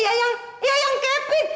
iya yang iya yang kevin